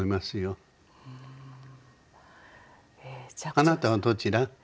あなたはどちら？